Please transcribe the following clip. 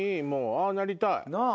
ああなりたい。